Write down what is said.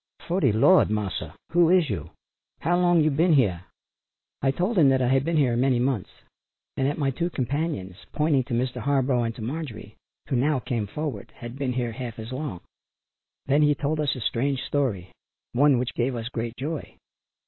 "Fo' de Lard, Marsa; Who is yo', how long yo' ben heah?" I told him that I had been here many months, and that my two companions, pointing to Mr. Harborough and to Marjorie, who now came forward, had been here half as long. Then he told us a strange story, one which gave us great joy.